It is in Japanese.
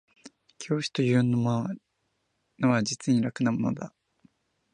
教師というものは実に楽なものだ